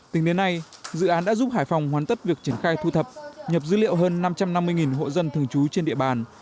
tính đến nay dự án đã giúp hải phòng hoàn tất việc triển khai thu thập nhập dữ liệu hơn năm trăm năm mươi hộ dân thường trú trên địa bàn